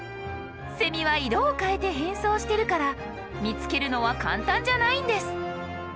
セミは色を変えて変装してるから見つけるのは簡単じゃないんです。